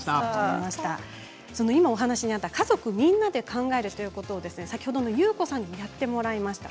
今お話にあった家族みんなで考えるということを先ほどのゆうこさんにやってもらいました。